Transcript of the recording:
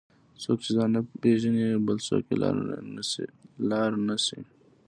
څوک چې ځان نه پیژني، بل څوک یې لار نه ښيي.